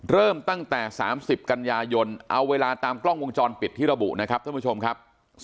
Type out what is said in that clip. เริ่มตั้งแต่๓๐กันยายนเอาเวลาตามกล้องวงจรปิดที่ระบุนะครับท่านผู้ชมครับ